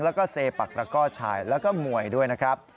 แล้วก็เซปักตระก้อชายแล้วก็มวยด้วยนะครับ